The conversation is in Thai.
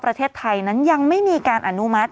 ประเทศไทยนั้นยังไม่มีการอนุมัติ